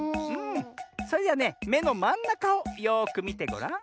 それではねめのまんなかをよくみてごらん。